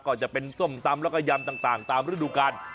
ก็จะเป็นส้มตำแล้วก็ยำต่างตามฤดูกาล